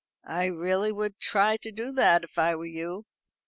I really would try to do it, if I were you."